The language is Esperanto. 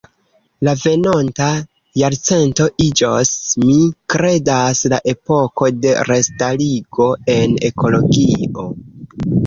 La venonta jarcento iĝos, mi kredas, la epoko de restarigo en ekologio".